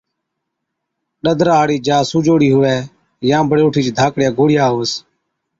ڏَدرا هاڙِي جاءِ سُوجوڙِي هُوَي يان بڙي اُٺِيچ ڌاڪڙِيا گوڙهِيا هُوَس